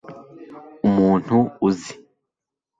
umuntu uzi